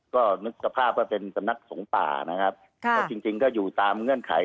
ก็นึกภาพว่าเป็นสนับสงป่านะครับจริงก็อยู่ตามเงื่อนไข